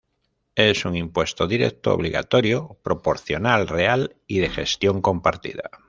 Es un impuesto directo, obligatorio, proporcional, real y de gestión compartida.